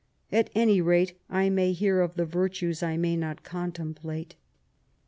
At ■any rate, I may hear of the virtues I may not contemplate.